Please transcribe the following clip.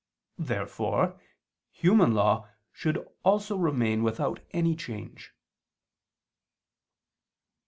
Therefore human law should also remain without any change.